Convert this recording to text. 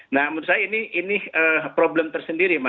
nah menurut saya ini problem tersendiri